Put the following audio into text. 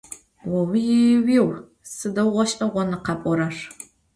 Vui - vuiu! Sıdeu ğeş'eğona khap'orer!